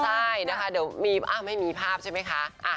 ใช่นะคะเดี๋ยวไม่มีภาพใช่ไหมคะ